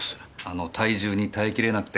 あの体重に耐え切れなくて？